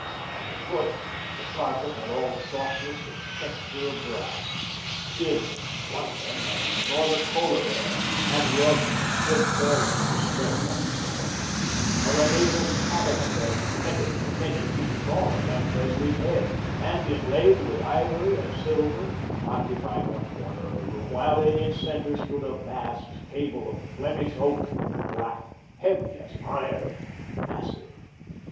Under foot, the carpet had all the softness of texture of grass; skins (one of them of an enormous polar bear) and rugs of silk velvet were spread upon the floor. A Renaissance cabinet of ebony, many feet taller than Presley's head, and inlaid with ivory and silver, occupied one corner of the room, while in its centre stood a vast table of Flemish oak, black, heavy as iron, massive.